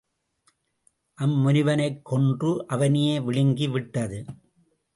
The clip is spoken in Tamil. அம் முனிவனைக் கொன்று அவனையே விழுங்கி விட்டது.